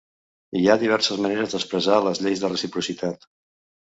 Hi ha diverses maneres d'expressar les lleis de reciprocitat.